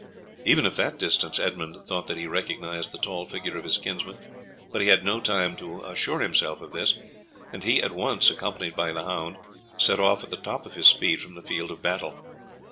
Even at that distance Edmund thought that he recognized the tall figure of his kinsman, but he had no time to assure himself of this, and he at once, accompanied by the hound, set off at the top of his speed from the field of battle.